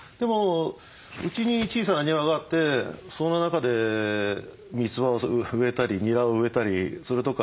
うちに小さな庭があってその中でミツバを植えたりニラを植えたりするとか。